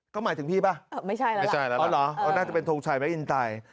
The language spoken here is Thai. ก็หมายถึงพี่ป่ะไม่ใช่แล้วไม่ใช่แล้วเหรอน่าจะเป็นทงชัยแม่อินไต